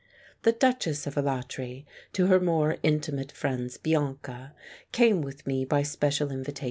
The Duchess of Alatri — to her more intimate friends, Bianca — came with me by special invitation.